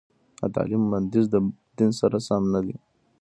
د تعليم بندیز د دین سره سم نه دی.